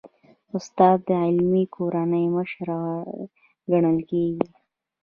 استاد د علمي کورنۍ مشر ګڼل کېږي.